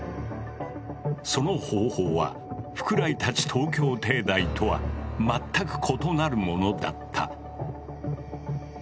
その方法は福来たち東京帝大とは全く異なるものだった。